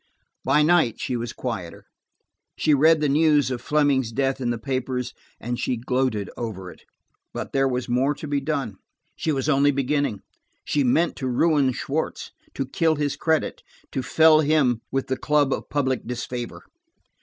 By night she was quieter. She read the news of Fleming's death in the papers, and she gloated over it. But there was more to be done; she was only beginning. She meant to ruin Schwartz, to kill his credit, to fell him with the club of public disfavor.